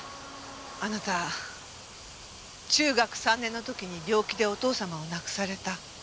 あなた中学３年の時に病気でお父様を亡くされた。